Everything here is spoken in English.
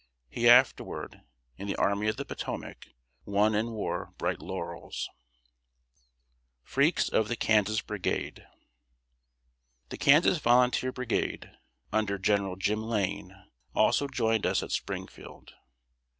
He afterward, in the Army of the Potomac, won and wore bright laurels. [Sidenote: FREAKS OF THE KANSAS BRIGADE.] The Kansas volunteer brigade, under General "Jim" Lane, also joined us at Springfield.